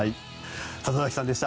里崎さんでした。